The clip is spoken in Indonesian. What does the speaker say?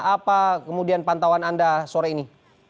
apa kemudian pantauan anda sore ini